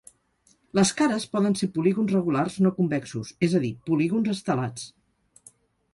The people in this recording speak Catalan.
Les cares poden ser polígons regulars no convexos, és a dir polígons estelats.